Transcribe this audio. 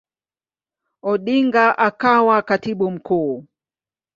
Odinga akawa Katibu Mkuu.